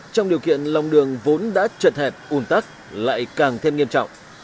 trong điều kiện lòng đường vốn đã trật hẹp un tắc lại càng thêm nghiêm trọng